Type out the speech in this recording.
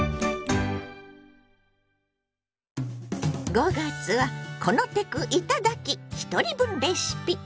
５月は「このテクいただき！ひとり分レシピ」。